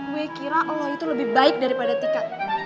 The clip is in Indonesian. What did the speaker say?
gue kira allah itu lebih baik daripada tika